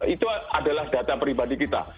itu adalah data pribadi kita